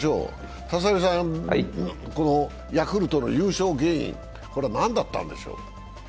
このヤクルトの優勝原因、これは何だったんでしょう？